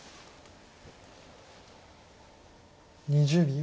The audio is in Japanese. ２０秒。